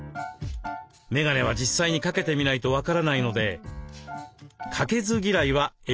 メガネは実際に掛けてみないと分からないので「掛けず嫌い」は